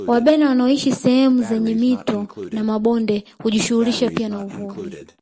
Wabena wanaoshi sehemu zenye mito na mabonde hujishughulisha pia na uvuvi